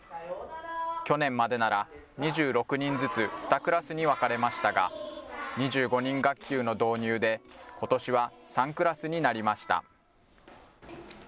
去年までなら２６人ずつ２クラスに分かれましたが、２５人学級の導入でことしは３クラスになりました。